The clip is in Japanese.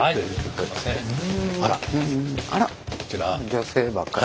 女性ばっかり。